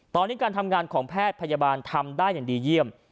ตอนนี้การทำงานของแพทย์พยาบาลทำได้อย่างดีเยี่ยม